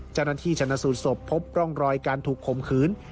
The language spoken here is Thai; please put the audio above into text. จันนที่ชนสูตรศพพบร่องรอยการถูกขมขืน